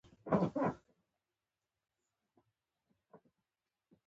باټا کلی په اندړ ولسوالۍ کي موقعيت لري